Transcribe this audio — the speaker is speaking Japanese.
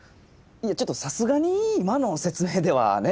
いやちょっとさすがに今の説明ではね。